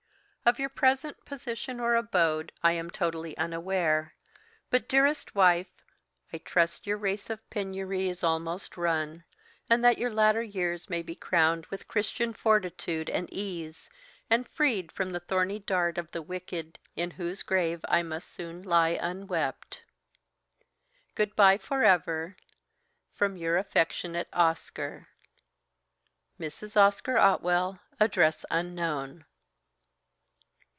"Of your present position or abode I am totally unaware, but, dearest wife, I trust your race of penury is almost run, and that your latter years may be crowned with Christian fortitude and ease, and freed from the thorny dart of the wicked, in whose grave I must soon lie unwept. "Good bye, for ever! From your affectionate "OSCAR. "Mrs. Oscar Otwell (Address unknown)."